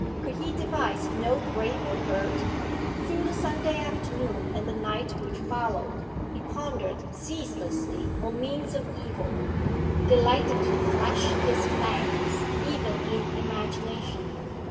Could he devise no graver hurt? Through the Sunday afternoon and the night which followed, he pondered ceaselessly on means of evil, delighted to flesh his fangs even in imagination.